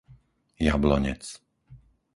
Jablonec